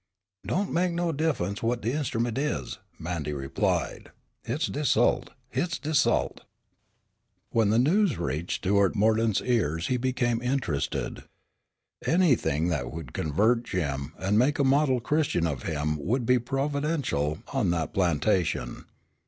[Illustration: JIM.] "Don' mek no diffunce what de inst'ument is," Mandy replied, "hit's de 'sult, hit's de 'sult." When the news reached Stuart Mordaunt's ears he became intensely interested. Anything that would convert Jim, and make a model Christian of him would be providential on that plantation.